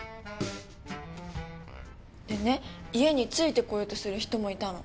でね家についてこようとする人もいたの。